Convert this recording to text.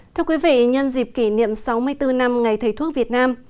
thưa quý vị nhân dịp kỷ niệm sáu mươi bốn năm ngày thầy thuốc việt nam